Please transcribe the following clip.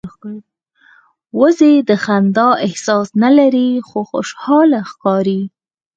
وزې د خندا احساس نه لري خو خوشاله ښکاري